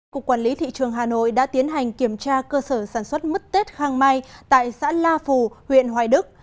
cục quản lý thị trường hà nội đã tiến hành kiểm tra cơ sở sản xuất mứt tết khang mai tại xã la phù huyện hoài đức